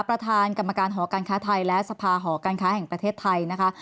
ประธานกรรมการหอการค้าไทยและสภาหอการค้าแห่งประเทศไทยนะคะ